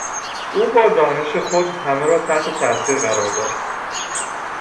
او با دانش خود همه را تحت تاثیر قرار داد.